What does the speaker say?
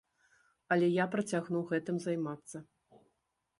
Але я працягну гэтым займацца.